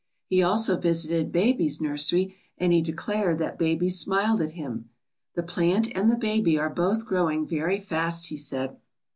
He also visited baby's nursery and he declared that baby smiled at him. The plant and the baby are both growing very fast,' he said.